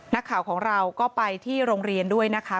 นักข่าวของเราก็ไปที่โรงเรียนด้วยนะคะ